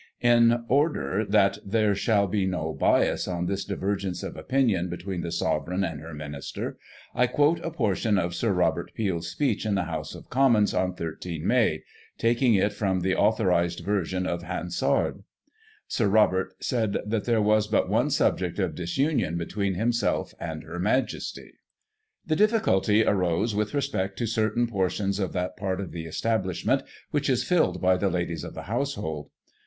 In order that there shall be no bias on this divergence of opinion between the Sovereign and her Minister, I quote a portion of Sir Robert Peel's speech in the House of Commons, on 13 May, taking it from the authorised version of Hansard, Sir Robert said that there was but one subject of disunion between himself and Her Majesty. Digitized by Google 90 GOSSIP. [1839 "The difficulty arose with respect to certain portions of that part of the establishment which is filled by the Ladies of the household.